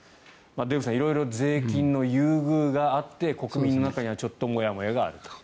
デーブさん色々税金の優遇があって国民の中にはちょっともやもやがあると。